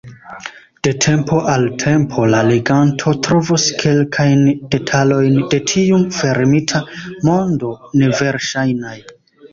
De tempo al tempo la leganto trovos kelkajn detalojn de tiu fermita mondo neverŝajnaj.